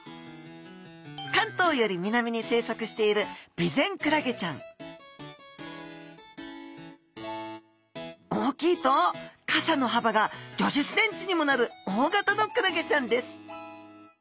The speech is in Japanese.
関東より南に生息しているビゼンクラゲちゃん大きいと傘のはばが５０ｃｍにもなる大型のクラゲちゃんです。